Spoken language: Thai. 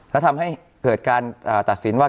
แล้วทำให้เกิดการตัดสินว่า